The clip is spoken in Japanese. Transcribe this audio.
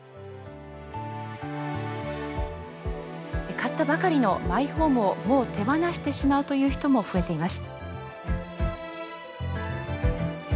買ったばかりのマイホームをもう手放してしまうという人も増えています。